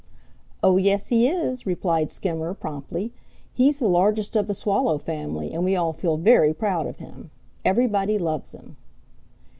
"Oh, yes, he is," replied Skimmer promptly. "He's the largest of the Swallow family, and we all feel very proud of him. Everybody loves him."